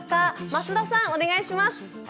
増田さん、お願いします。